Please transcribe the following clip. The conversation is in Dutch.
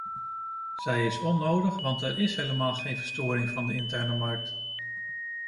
Zij is onnodig want er is helemaal geen verstoring van de interne markt.